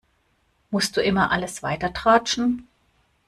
Musst du immer alles weitertratschen?